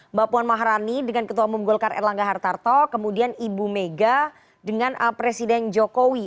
mbak puan maharani dengan ketua umum golkar erlangga hartarto kemudian ibu mega dengan presiden jokowi